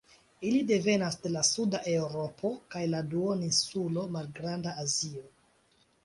Ili devenas de la suda Eŭropo kaj la duoninsulo Malgranda Azio.